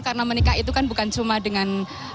karena menikah itu kan bukan cuma dengan